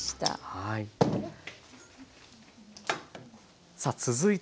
はい。